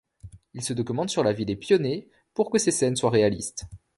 Il se documente sur la vie des pionniers pour que ses scènes soient réalistes.